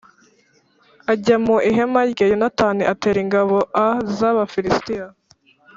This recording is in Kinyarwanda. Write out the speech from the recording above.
ajya mu ihema rye Yonatani atera ingabo a z Abafilisitiya